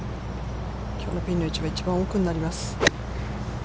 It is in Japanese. きょうのピンの位置は、一番奥になります。